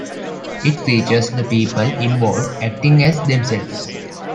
It features the people involved, acting as themselves.